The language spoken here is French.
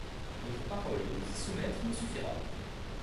Votre parole de vous y soumettre me suffira.